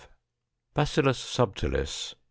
Bacillus subtilis, .